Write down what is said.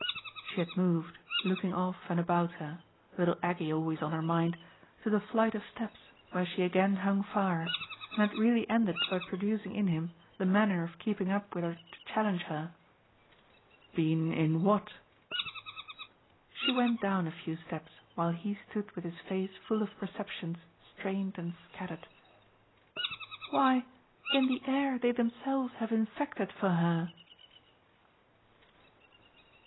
She had moved, looking off and about her little Aggie always on her mind to the flight of steps, where she again hung fire; and had really ended by producing in him the manner of keeping up with her to challenge her. "Been in what?" She went down a few steps while he stood with his face full of perceptions strained and scattered. "Why in the air they themselves have infected for her!"